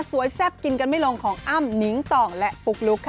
แซ่บกินกันไม่ลงของอ้ำนิ้งต่องและปุ๊กลุ๊กค่ะ